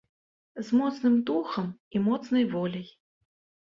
З моцным духам і моцнай воляй.